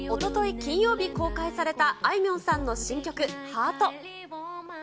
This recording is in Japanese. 金曜日公開された、あいみょんさんの新曲、ハート。